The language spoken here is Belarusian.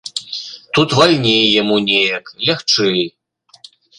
Тут вальней яму неяк, лягчэй.